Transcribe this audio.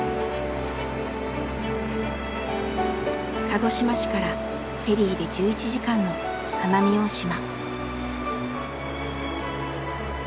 鹿児島市からフェリーで１１時間の奄美大島。